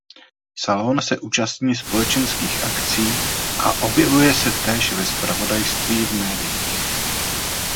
Salón se účastní společenských akcí a objevuje se též ve zpravodajství v médiích.